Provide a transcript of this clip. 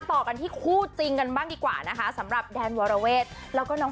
ต่อกันที่คู่จริงกันบ้างดีกว่านะคะสำหรับแดนวรเวทแล้วก็น้อง